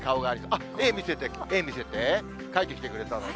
あっ、絵見せて、絵見せて、描いてきてくれたのね。